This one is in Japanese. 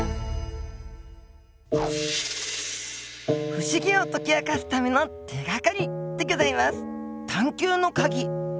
不思議を解き明かすための手がかりでギョざいます